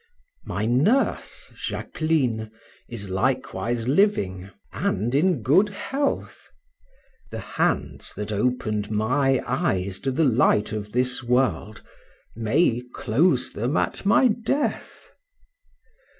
My nurse, Jaqueline, is likewise living: and in good health the hands that opened my eyes to the light of this world may close them at my death.